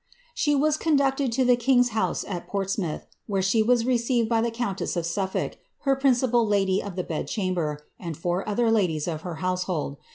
* She was conducted to the king's house at Portsmouth, where she was received by the countess of Sufiblk, her principal lady of the bed chamber, and four other ladies of her household.